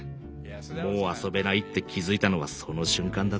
もう遊べないって気付いたのはその瞬間だった。